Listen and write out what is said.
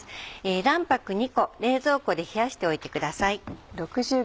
卵白２個冷蔵庫で冷やしておいてください。